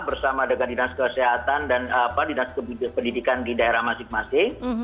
bersama dengan dinas kesehatan dan dinas pendidikan di daerah masing masing